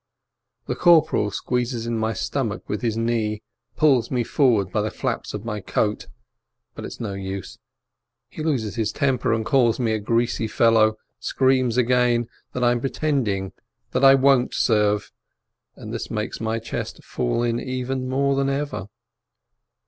The corporal squeezes in my stomach with his knee, pulls me forward by the flaps of the coat, but it's no use. He loses his temper, and calls me greasy fellow, screams again that I am pretending, that I won't serve, and this makes my chest fall in more than ever.